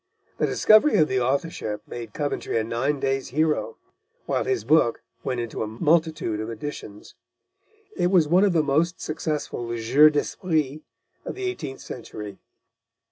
The discovery of the authorship made Coventry a nine days' hero, while his book went into a multitude of editions. It was one of the most successful jeux d'esprit of the eighteenth century.